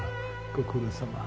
ご苦労さま。